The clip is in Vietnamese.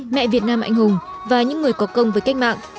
mẹ việt nam anh hùng và những người có công với cách mạng